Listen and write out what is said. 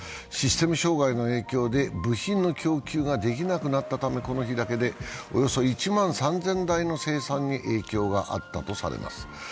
システム障害の影響で部品の供給ができなくなったためこの日だけでおよそ１万３０００台の生産に影響があったとされます。